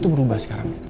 lu tuh berubah sekarang